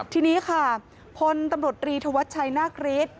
ทีนี้ค่ะพลตำรวจรีธวัชชัยนาคฤทธิ์